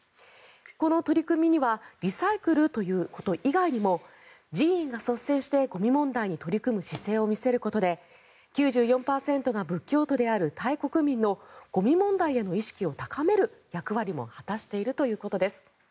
この取り組みにはリサイクルということ以外にも寺院が率先してゴミ問題に取り組む姿勢を見せることで９４％が仏教徒であるタイ国民のゴミ問題への意識を高める役割も果たしているということです。